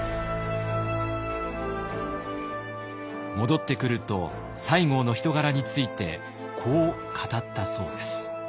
戻ってくると西郷の人柄についてこう語ったそうです。